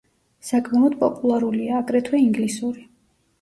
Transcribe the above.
საკმაოდ პოპულარულია, აგრეთვე, ინგლისური.